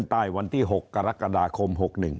ใต้วันที่๖กรกฎาคม๖๑